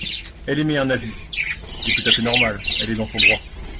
Elle émet un avis : c’est tout à fait normal, elle est dans son droit.